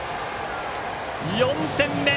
４点目！